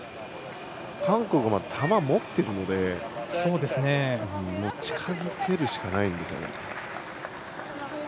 韓国は球を持ってるので近づけるしかないんですね。